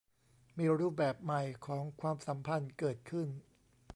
มีรูปแบบใหม่ของความสัมพันธ์เกิดขึ้น